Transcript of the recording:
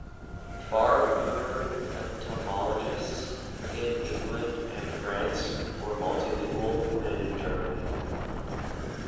Far fewer entomologists in England and France were multilingual than in Germany.